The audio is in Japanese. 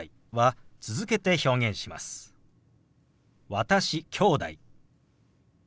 「私」「きょうだい」。